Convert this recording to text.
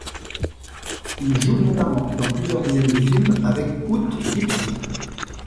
Il joue notamment dans plusieurs dizaines de films avec Hoot Gibson.